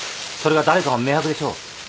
それが誰かは明白でしょう。